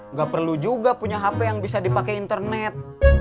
nggak perlu juga punya hp yang bisa dipakai internet